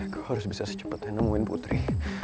kau harus bisa secepatnya nemuin putri